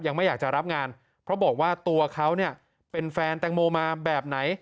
ยังไม่อยากจะรับงานเพราะบอกว่าตัวเขาเนี่ยเป็นแฟนแตงโมมาแบบไหน